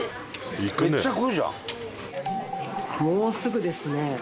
もうすぐですね。